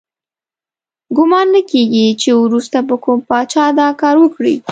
ګمان نه کیږي چې وروسته به کوم پاچا دا کار وکړي.